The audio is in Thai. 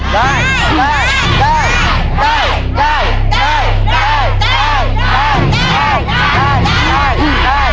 ได้